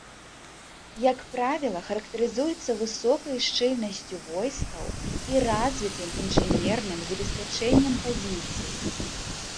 Як правіла, характарызуецца высокай шчыльнасцю войскаў і развітым інжынерным забеспячэннем пазіцый.